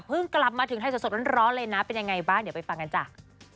เพิ่งกลับมาถึงไทยส่วนสดนั้นร้อนเลยนะเป็นอย่างไรบ้างเดี๋ยวไปฟังกันจ้ะ